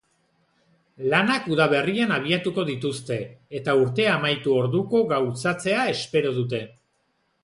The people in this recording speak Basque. Lanak udaberrian abiatuko dituzte eta urtea amaitu orduko gauzatzea espero dute.